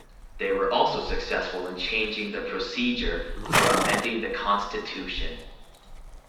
They were also successful in changing the procedure for amending the Constitution.